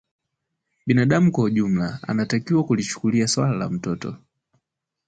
binadamu kwa ujumla anatakiwa kulichukulia swala la mtoto